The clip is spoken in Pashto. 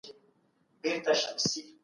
ته باید د مطالعې ذوق ژوندی وساتې.